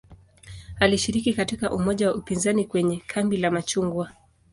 Alishiriki katika umoja wa upinzani kwenye "kambi la machungwa".